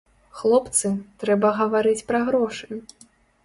Хлопцы, трэба гаварыць пра грошы!